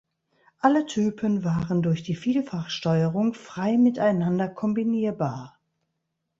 Alle Typen waren durch die Vielfachsteuerung frei miteinander kombinierbar.